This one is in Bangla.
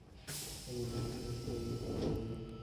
সে নীল রঙ্গের ফিয়েস্তা গাড়ি নিয়ে পালিয়ে যায়।